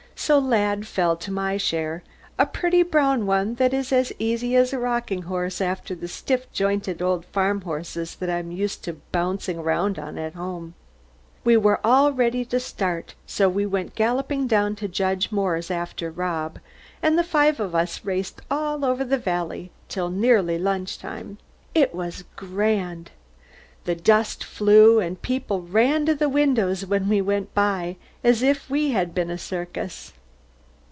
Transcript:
So Lad fell to my share, a pretty brown one that is as easy as a rocking horse after the stiff jointed old farm horses that I am used to bouncing around on at home. They were all ready to start, so we went galloping down to Judge Moore's after Rob, and the five of us raced all over the valley till nearly lunch time. It was grand. The dust flew, and people ran to the windows when we went by, as if we had been a circus.